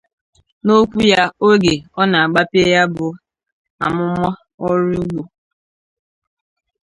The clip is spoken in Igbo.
N'okwu ya oge ọ na-agbape ya bụ amụmà ọrụ ugbo